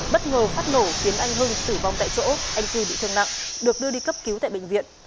bất ngờ phát nổ khiến anh hưng tử vong tại chỗ anh cư bị thương nặng được đưa đi cấp cứu tại bệnh viện